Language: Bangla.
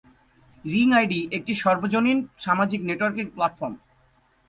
রিং আইডি একটি সর্বজনীন সামাজিক নেটওয়ার্কিং প্ল্যাটফর্ম।